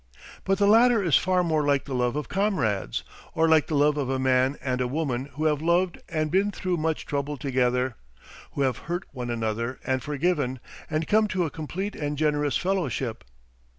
But the latter is far more like the love of comrades, or like the love of a man and a woman who have loved and been through much trouble together, who have hurt one another and forgiven, and come to a complete and generous fellowship.